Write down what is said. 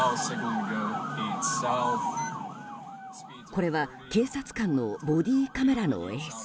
これは警察官のボディーカメラの映像。